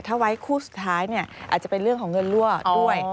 ถ้าไว้คู่สุดท้ายเนี่ยอาจจะเป็นเรื่องของเงินรั่วด้วย